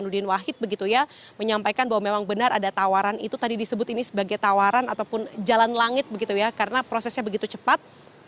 dan wahid begitu ya menyampaikan bahwa memang benar ada tawaran itu tadi disebut ini sebagai tawaran ataupun jalan langit begitu ya karena prosesnya begitu cepat